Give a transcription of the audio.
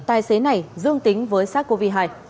tài xế này dương tính với sars cov hai